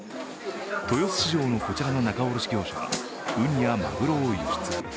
豊洲市場のこちらの仲卸業者はウニやマグロを輸出。